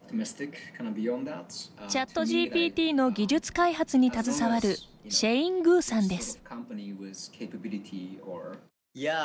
ＣｈａｔＧＰＴの技術開発に携わるシェイン・グウさんです。